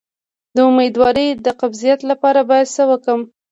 د امیدوارۍ د قبضیت لپاره باید څه وکړم؟